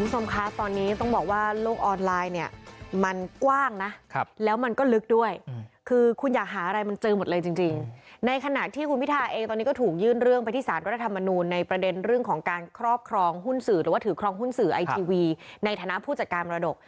คุณผู้ชมคะตอนนี้ต้องบอกว่าโลกออนไลน์เนี่ยมันกว้างนะแล้วมันก็ลึกด้วยคือคุณอยากหาอะไรมันเจอหมดเลยจริงในขณะที่คุณพิทาเองตอนนี้ก็ถูกยื่นเรื่องไปที่สารรัฐธรรมนูลในประเด็นเรื่องของการครอบครองหุ้นสื่อหรือว่าถือครองหุ้นสื่อไอทีวีในฐานะผู้จัดการมรดก